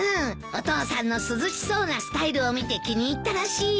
お父さんの涼しそうなスタイルを見て気に入ったらしいよ。